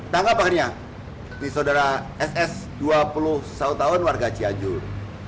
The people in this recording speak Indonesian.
tangkap akhirnya di saudara ss dua puluh satu tahun warga cianjur